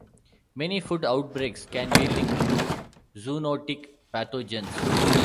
Many food outbreaks can be linked to zoonotic pathogens.